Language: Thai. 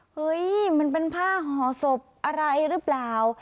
เฮ้ยมันเป็นผ้าห่อศพอะไรหรือเปล่า